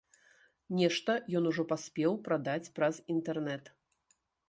Нешта ён ужо паспеў прадаць праз інтэрнет.